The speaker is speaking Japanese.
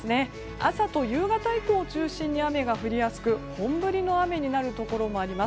朝と夕方以降を中心に雨が降りやすく本降りの雨になるところもあります。